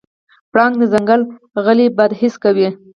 پړانګ د ځنګل غلی باد حس کوي.